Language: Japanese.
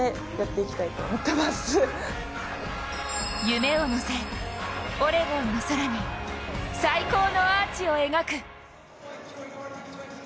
夢を乗せ、オレゴンの空に最高のアーチを描く。